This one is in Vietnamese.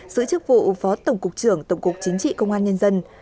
giữ chức vụ phó tổng cục trưởng tổng cục chính trị công an nhân dân